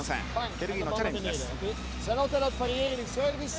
ベルギーのチャレンジです。